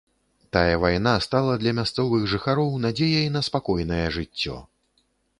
Тая вайна стала для мясцовых жыхароў надзеяй на спакойнае жыццё.